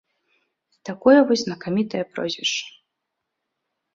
Такое вось знакамітае прозвішча.